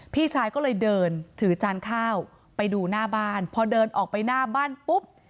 พี่ชายก็เลยเดินถือจานข้าวไปดูหน้าบ้านพอเดินออกไปหน้าบ้านปุ๊บ